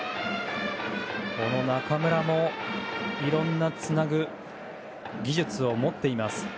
この中村もいろんなつなぐ技術を持っています。